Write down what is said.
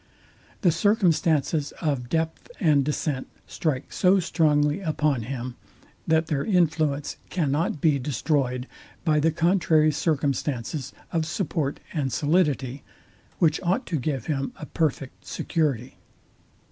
The circumstances of depth and descent strike so strongly upon him, that their influence can not be destroyed by the contrary circumstances of support and solidity, which ought to give him a perfect security.